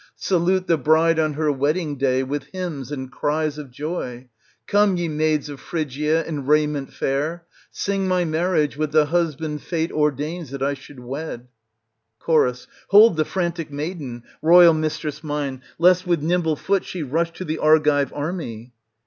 Salute the bride on her wedding day with hymns and cries of joy. Come, ye maids of Phrygia in raiment fair, sing my marriage with the husband fate ordains that I should wed. Cho. Hold the frantic maiden, royal mistress mine, lest with nimble foot she rush to the Argive army.